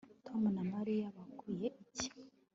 Tom na Mariya babwiwe iki